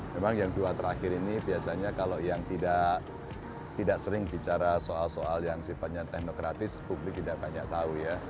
memang yang dua terakhir ini biasanya kalau yang tidak sering bicara soal soal yang sifatnya teknokratis publik tidak banyak tahu ya